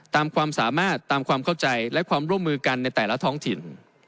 ความสามารถตามความเข้าใจและความร่วมมือกันในแต่ละท้องถิ่น